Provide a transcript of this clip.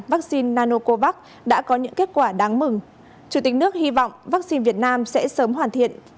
vaccine nanocovax đã có những kết quả đáng mừng chủ tịch nước hy vọng vaccine việt nam sẽ sớm hoàn thiện